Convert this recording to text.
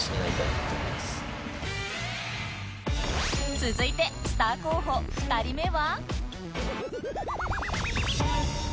続いてスター候補２人目は